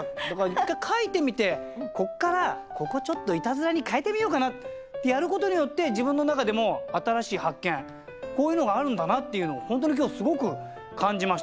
一回書いてみてここからここちょっといたずらに変えてみようかなってやることによって自分の中でも新しい発見こういうのがあるんだなっていうのを本当に今日すごく感じましたね。